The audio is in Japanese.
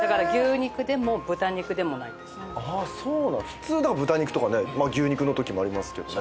普通豚肉とかねまあ牛肉のときもありますけどね。